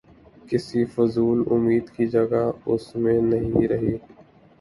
کسی فضول امید کی جگہ اس میں نہیں رہی۔